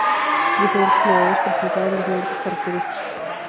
Diferentes modelos presentaban diferentes características.